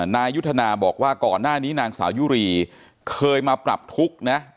นายุทธนาบอกว่าก่อนหน้านี้นางสาวยุรีเคยมาปรับทุกข์นะ